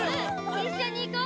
一緒に行こう！